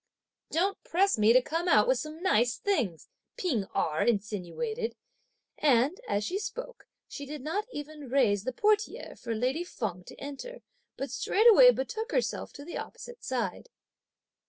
"Don't press me to come out with some nice things!" P'ing Erh insinuated, and, as she spoke, she did not even raise the portiere (for lady Feng to enter), but straightway betook herself to the opposite side.